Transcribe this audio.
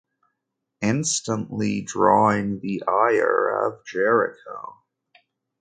Instantly drawing the ire of Jericho.